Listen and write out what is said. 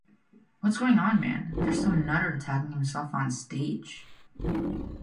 'What's going on, man, there's some nutter attacking himself on stage.